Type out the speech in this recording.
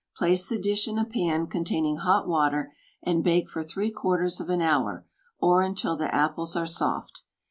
Place the dish in a pan containing hot water, and bake for three quarters of an hour, or until the apples are soft.